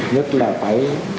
nhất là phải